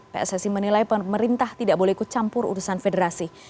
pssi menilai pemerintah tidak boleh kucampur urusan federasi